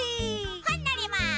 ほんのります！